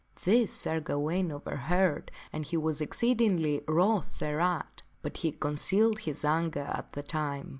This Sir Gawaine overheard and he was exceedingly wroth thereat. Bat he concealed his anger at that time.